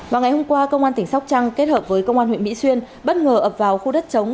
vào ngày hôm qua công an tỉnh sóc trăng kết hợp với công an huyện mỹ xuyên bất ngờ ập vào khu đất chống